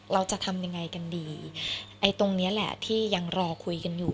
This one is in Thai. เราจะทำยังไงกันดีไอ้ตรงเนี้ยแหละที่ยังรอคุยกันอยู่